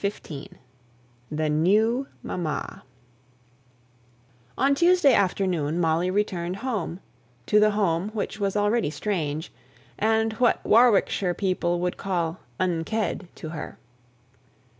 [Illustration (untitled)] On Tuesday afternoon Molly returned home to the home which was already strange, and what Warwickshire people would call "unked," to her.